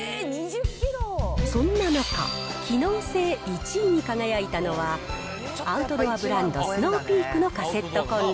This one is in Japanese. そんな中、機能性１位に輝いたのは、アウトドアブランド、スノーピークのカセットコンロ。